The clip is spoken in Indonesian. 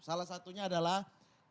salah satunya adalah gus dur itu penuh